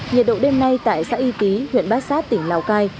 nhiệt độ đêm nay tại xã y ký huyện bát sát tỉnh lào cai